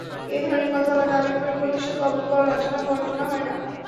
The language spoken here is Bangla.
এ ধরনের কথা বা দাবির প্রতিশোধ অবজ্ঞা ও লাঞ্ছনা-গঞ্জনা হয় না।